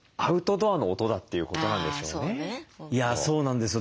そうなんですよ。